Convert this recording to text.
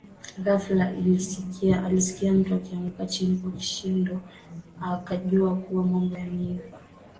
Ghafla alisikia mtu akianguka chini kwa kishindo akajua kuwa mambo yameiva